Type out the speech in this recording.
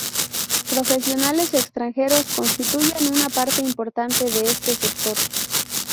Profesionales extranjeros constituyen una parte importante de este sector.